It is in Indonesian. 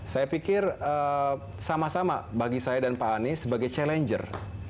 saya pikir sama sama bagi saya dan pak anies sebagai challenger